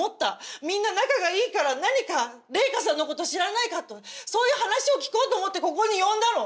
みんな仲がいいから何か玲香さんのこと知らないかとそういう話を聞こうと思ってここに呼んだの！